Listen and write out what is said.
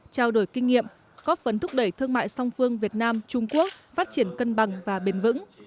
trao đổi kinh nghiệm góp phấn thúc đẩy thương mại song phương việt nam trung quốc phát triển cân bằng và bền vững